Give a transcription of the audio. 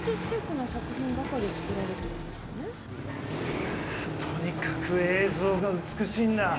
まぁとにかく映像が美しいんだ！